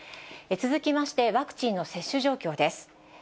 続きまして、ワクチンの接種状況です。